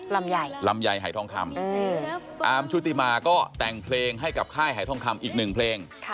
ลำไยหายทองคำอาร์มชุติมาก็แต่งเพลงให้กับค่ายหายทองคำอีกหนึ่งเพลง